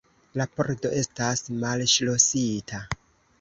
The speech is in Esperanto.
La pordo estas malŝlosita.